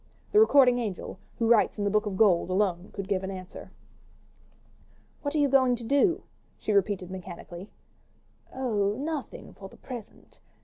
The recording angel, who writes in the book of gold, alone could give an answer. "What are you going to do?" she repeated mechanically. "Oh, nothing for the present.